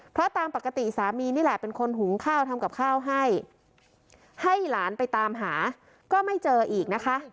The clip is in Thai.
เพราะตามปกติสามีนี่แหละเป็นคนหุงข้าวทำกับข้าวให้ให้หลานไปตามหาก็ไม่เจออีกนะคะ